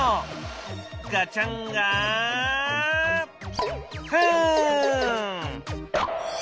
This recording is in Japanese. ガチャンガフン！